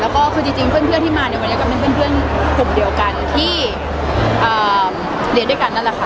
แล้วก็คือจริงเพื่อนที่มาในวันนี้ก็เป็นเพื่อนกลุ่มเดียวกันที่เรียนด้วยกันนั่นแหละค่ะ